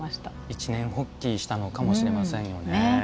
一年発起したのかもしれないですよね。